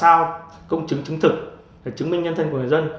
hoặc là bản sao công chứng chứng thực chứng minh nhân thân của người dân